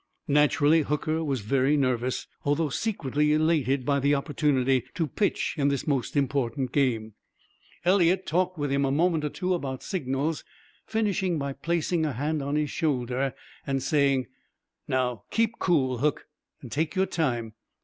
Naturally, Hooker was very nervous, although secretly elated by the opportunity to pitch in this most important game. Eliot talked with him a moment or two about signals, finishing by placing a hand on his shoulder and saying: "Now, keep cool, Hook, and take your time.